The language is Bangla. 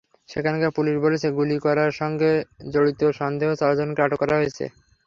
সেখানকার পুলিশ বলেছে, গুলি করার সঙ্গে জড়িত সন্দেহে চারজনকে আটক করা হয়েছে।